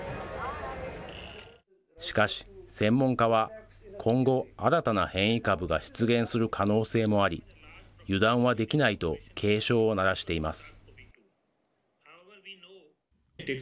しかし、専門家は今後、新たな変異株が出現する可能性もあり、油断はできないと警鐘を鳴らしています。